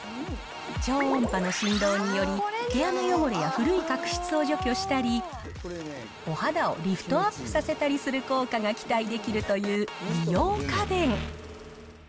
超音波の振動により、毛穴汚れや古い角質を除去したり、お肌をリフトアップさせたりする効果が期待できるという美容家電。